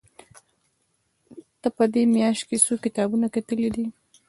تا په دې مياشت کې څو کتابونه کتلي دي؟